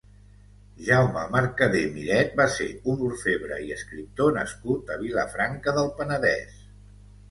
Jaume Mercader-Miret va ser un orfebre i escriptor nascut a Vilafranca del Penedès.